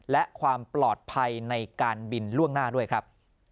และความปลอดภัยในการบินล่วงหน้าด้วยครับ